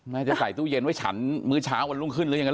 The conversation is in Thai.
จะใส่ตู้เย็นไว้ฉันมื้อเช้าวันรุ่งขึ้นหรือยังไง